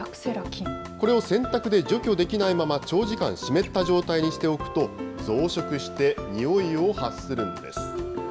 これを洗濯で除去できないまま、長時間湿った状態にしておくと、増殖して臭いを発するんです。